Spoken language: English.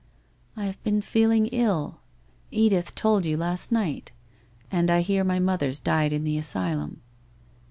' I have been feeling ill. Edith told you last night. And I hear my mother's died in the asylum.'